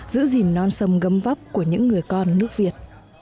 giữ gìn non sông gấm vóc của những người con nước việt